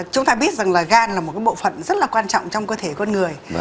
chúng ta biết rằng là gan là một bộ phận rất là quan trọng trong cơ thể con người